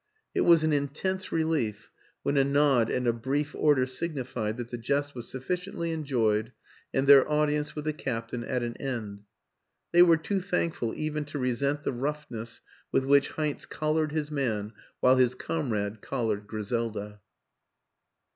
It was an intense relief when a nod and a brief order signified that the jest was sufficiently enjoyed and their audience with the captain at an end. They were too thankful even to resent the roughness with which Heinz collared his man while his comrade collared Griselda.